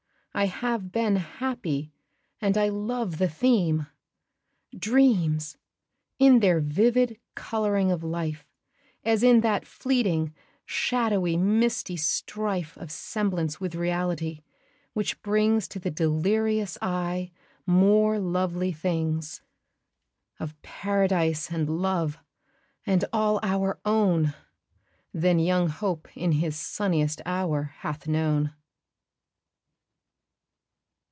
I have been happy and I love the theme: Dreams! in their vivid colouring of life, As in that fleeting, shadowy, misty strife Of semblance with reality, which brings To the delirious eye, more lovely things Of Paradise and Love and all our own! Than young Hope in his sunniest hour hath known.